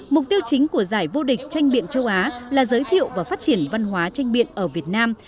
mục tiêu chính của giải vô địch tranh biện châu á là giới thiệu và phát triển văn hóa tranh biện ở việt nam